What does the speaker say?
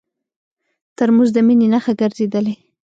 ترموز د مینې نښه ګرځېدلې.